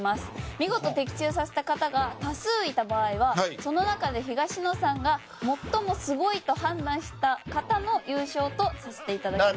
見事、的中させた方が多数いた場合はその中で東野さんが最もすごいと判断した方の優勝とさせていただきます。